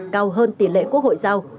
cao hơn tỷ lệ quốc hội giao